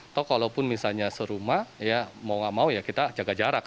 atau kalau misalnya serumah mau tidak mau kita jaga jarak